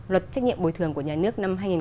luật trách nhiệm bồi thường của nhà nước